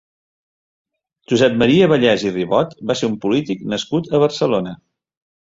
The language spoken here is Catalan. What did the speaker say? Josep Maria Vallès i Ribot va ser un polític nascut a Barcelona.